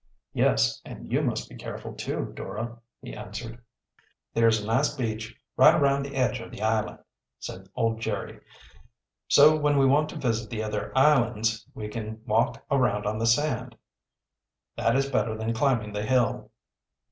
"Yes, and you must be careful, too, Dora," he answered. "There is a nice beach right around the edge of the island," said old Jerry. "So, when we want to visit the other islands, we can walk around on the sand. That is better than climbing the hill."